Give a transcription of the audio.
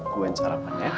gue yang sarapannya